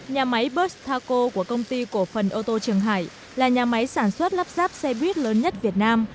nhà máy bus taco của công ty cổ phần ô tô trường hải là nhà máy sản xuất lắp ráp xe buýt lớn nhất việt nam